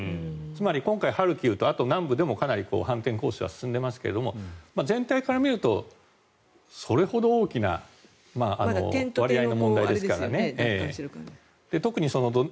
つまり、今回ハルキウと南部でもかなり反転攻勢は進んでいますが全体から見るとそれほど大きな割合ではない。